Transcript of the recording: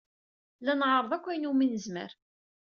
La nɛerreḍ akk ayen umi nezmer.